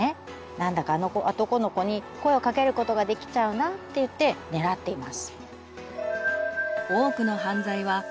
なんだかあの男の子に声をかけることができちゃうなっていって狙っています。